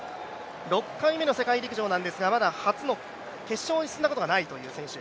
６回目の世界陸上なんですが、決勝に進んだことがないという選手。